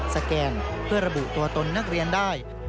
แกนเพื่อระบุตัวตนนักเรียนได้